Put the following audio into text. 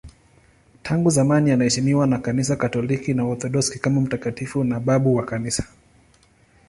Tangu zamani anaheshimiwa na Kanisa Katoliki na Waorthodoksi kama mtakatifu na babu wa Kanisa.